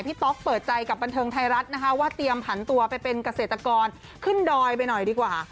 ต๊อกเปิดใจกับบันเทิงไทยรัฐนะคะว่าเตรียมผันตัวไปเป็นเกษตรกรขึ้นดอยไปหน่อยดีกว่า